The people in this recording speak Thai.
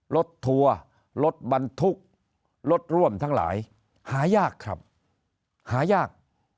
รถทัวร์รถบรรทุกรถร่วมทั้งหลายหายากครับหายาก